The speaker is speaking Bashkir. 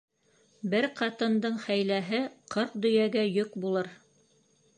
Бер ҡатындың хәйләһе ҡырҡ дөйәгә йөк булыр.